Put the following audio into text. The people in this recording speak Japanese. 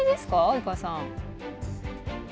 及川さん。